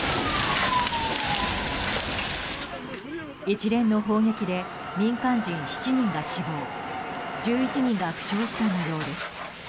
一連の砲撃で民間人７人が死亡１１人が負傷した模様です。